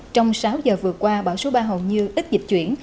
trong sáu giờ vừa qua bão số ba hầu như ít dịch chuyển